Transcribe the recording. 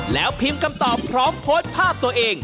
แล้วพิมพ์คำตอบพร้อมโพสต์ภาพตัวเอง